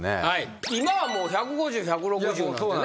今はもう１５０１６０なんてね。